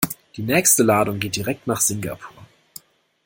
Die nächste Ladung geht direkt nach Singapur.